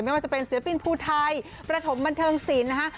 ไม่ว่าจะเป็นศิลปินภูไทยประถมบันเทิงศิลป์นะคะ